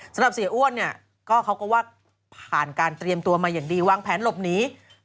สำหรับเสียอ้วนเนี่ยก็เขาก็ว่าผ่านการเตรียมตัวมาอย่างดีวางแผนหลบหนี